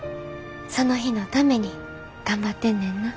その日のために頑張ってんねんな。